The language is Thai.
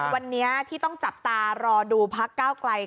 วันนี้ที่ต้องจับตารอดูพักก้าวไกล